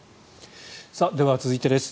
では、続いてです。